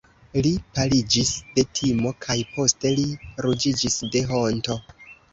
Li paliĝis de timo kaj poste li ruĝiĝis de honto.